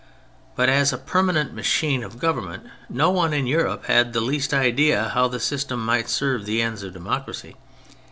But as a permanent machine of government no one in Europe had the least idea how the system might serve the ends of democracy.